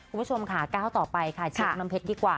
คุณผู้ชมค่ะก้าวต่อไปค่ะเช็คน้ำเพชรดีกว่า